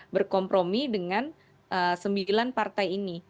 berkompromi dengan sembilan partai ini